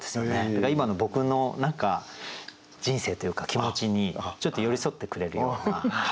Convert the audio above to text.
だから今の僕の人生というか気持ちにちょっと寄り添ってくれるような。